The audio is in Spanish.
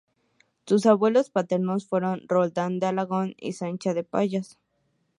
Sus abuelos paternos fueron Roldán de Alagón y Sancha de Pallás.